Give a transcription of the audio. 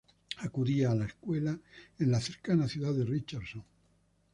Acudió a la escuela en la cercana ciudad de Richardson.